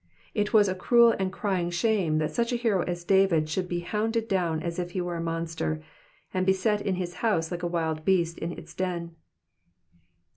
It was a cruel and crying shame that such a hero as David should be hounded down as if he were a monster, and beset in his house like a wild beast in its den.